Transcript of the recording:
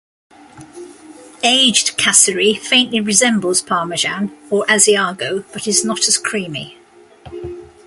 Aged kasseri faintly resembles Parmesan or Asiago but is not as creamy.